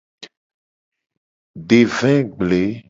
De vegble.